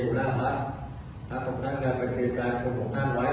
ก็ได้มาเจอกับทุกคนที่ทีกายที่ดิการมายก